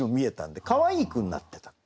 かわいい句になってた。